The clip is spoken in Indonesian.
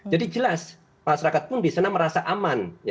jadi jelas masyarakat pun disana merasa aman